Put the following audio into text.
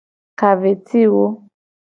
Ka ve ci wo.